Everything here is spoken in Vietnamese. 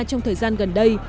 trong thời gian gần đây